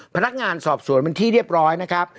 พนักงานสอบสวนเป็นที่เรียบร้อยนะครับ